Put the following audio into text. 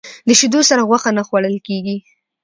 د شیدو سره غوښه نه خوړل کېږي.